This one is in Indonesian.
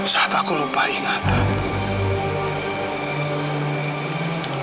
saat aku lupa ingatan